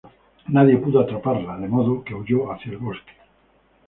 Nadie pudo atraparla, de modo que huyó hacia el bosque.